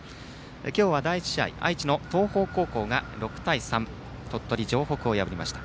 今日は第１試合は愛知の東邦高校が６対３で鳥取城北を破りました。